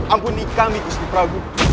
ampuni kami gusti pragu